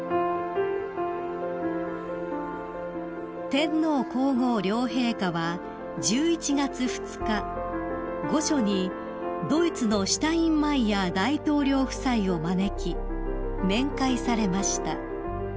［天皇皇后両陛下は１１月２日御所にドイツのシュタインマイヤー大統領夫妻を招き面会されました］